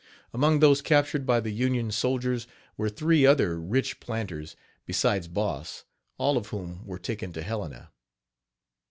Among those captured by the Union soldiers were three other rich planters besides Boss, all of whom were taken to Helena.